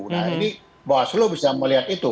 nah ini bawaslu bisa melihat itu